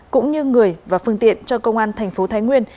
cũng như người và phương tiện cho công an thành phố thái nguyên